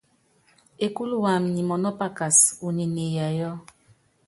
Ekúlu wamɛ nyi mɔnɔ́pakas, unyi niiyayɔ́.